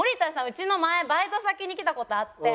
うちの前バイト先に来た事あって。